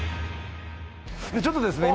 ちょっとですね